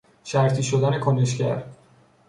شرطی شدن کنشگر